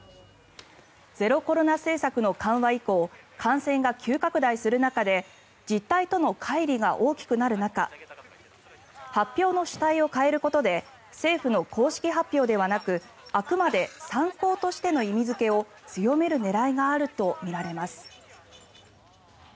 ゼロコロナ政策の緩和以降感染が急拡大する中で実態とのかい離が大きくなる中発表の主体を変えることで政府の公式発表ではなくあくまで参考としての意味付けを強める狙いがあるとみられます。